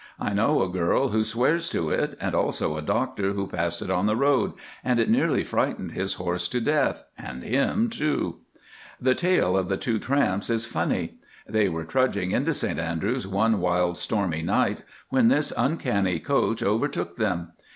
I know a girl who swears to it, and also a doctor who passed it on the road, and it nearly frightened his horse to death and him too. "The tale of the two tramps is funny. They were trudging into St Andrews one wild stormy night when this uncanny coach overtook them.